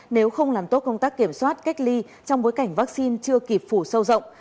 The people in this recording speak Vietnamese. nếu không làm tốt công tác kiểm soát cách ly trong bối cảnh vaccine chưa kịp phủ sâu rộng